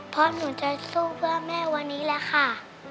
พ่อหนูจะสู้เพราะแม่วันนี้แหละค่ะ